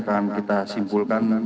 akan kita simpulkan